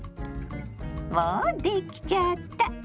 もうできちゃった。